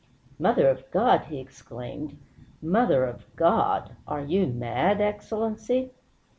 "Mother of God!" he exclaimed. "Mother of God! Are you mad, Excellency?"